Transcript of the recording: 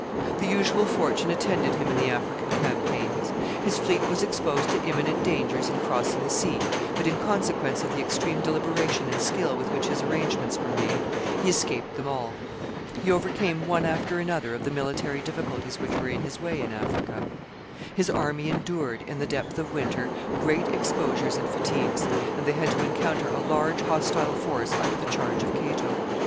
The usual fortune attended him in the African campaigns His fleet was exposed to imminent dangers in crossing the sea, but, in consequence of the extreme deliberation and skill with which his arrangements were made, he escaped them all. He overcame one after another of the military difficulties which were in his way in Africa. His army endured, in the depth of winter, great exposures and fatigues, and they had to encounter a large hostile force under the charge of Cato.